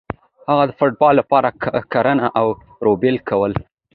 هغه د فیوډال لپاره کرنه او ریبل کول.